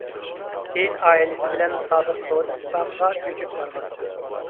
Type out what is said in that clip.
كېيىن ئائىلىسى بىلەن سابىق سوۋېت ئىتتىپاقىغا كۆچۈپ بارغان.